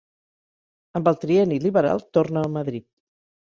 Amb el Trienni liberal torna a Madrid.